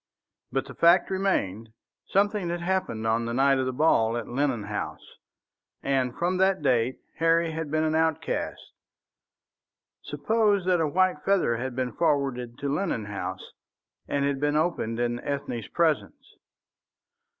But the fact remained. Something had happened on the night of the ball at Lennon House, and from that date Harry had been an outcast. Suppose that a white feather had been forwarded to Lennon House, and had been opened in Ethne's presence?